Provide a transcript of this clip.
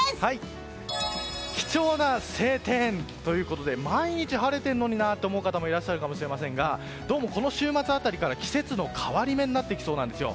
貴重な晴天ということで毎日晴れているのになと思う方もいらっしゃるかもしれませんがどうもこの週末辺りから季節の変わり目になってきそうなんですよ。